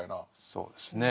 そうですね。